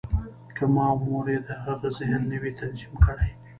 که ما او مور یې د هغه ذهن نه وای تنظیم کړی